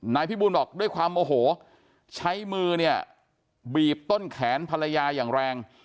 นายพี่บูลบอกด้วยความโอโหใช้มือเนี่ยบีบต้นแขนภรรยาอย่างแรง